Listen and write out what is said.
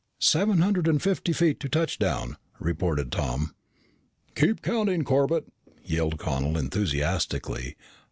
"Seven hundred and fifty feet to touchdown," reported Tom. "Keep counting, Corbett!" yelled Connel enthusiastically.